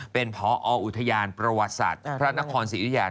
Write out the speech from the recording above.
เป็นพออุทยานประวัติศาสตร์พระนครศรีอยุธยา